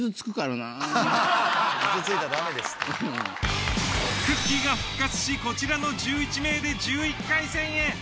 くっきーが復活しこちらの１１名で１１回戦へ。